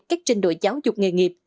các trình đội giáo dục nghề nghiệp